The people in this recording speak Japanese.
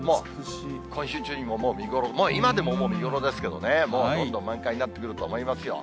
今週中にももう見頃、もう今でも見頃ですけどね、もうどんどん満開になってくると思いますよ。